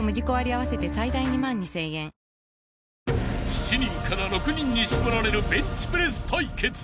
［７人から６人に絞られるベンチプレス対決］